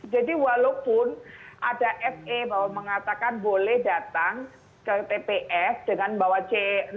jadi walaupun ada se bahwa mengatakan boleh datang ke tps dengan membawa c enam